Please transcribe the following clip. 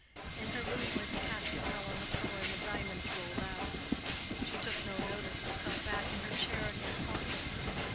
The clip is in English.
In her movement the casket fell on the floor and the diamonds rolled out. She took no notice, but fell back in her chair again helpless.